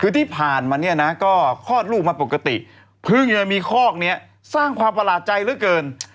คือที่ผ่านมาเนี่ยนะก็คลอดลูกมาปกติเพิ่งจะมีคอกนี้สร้างความประหลาดใจเหลือเกิน